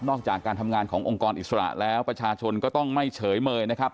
จากการทำงานขององค์กรอิสระแล้วประชาชนก็ต้องไม่เฉยเมยนะครับ